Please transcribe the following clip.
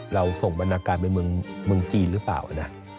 เราส่งบรรณาการไปเมืองจีนหรือเปล่านะ